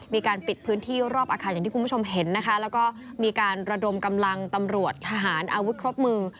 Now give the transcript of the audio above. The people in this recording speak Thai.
มีการปิดพื้นที่รอบอาคารอย่างที่คุณผู้ชมเห็นนะคะแล้วก็มีการระดมกำลังตำรวจทหารอาวุธครบมือ